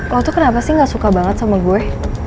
lo tuh kenapa sih gak suka banget sama gue